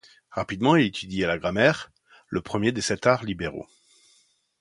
Rapidement il étudie la grammaire, le premier des sept arts libéraux.